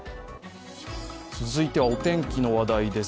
続いてはお天気の話題です。